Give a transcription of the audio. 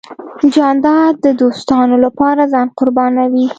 جانداد د دوستانو له پاره ځان قربانوي .